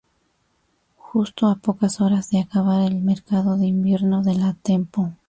Justo a pocas horas de acabar el mercado de invierno de la Tempo.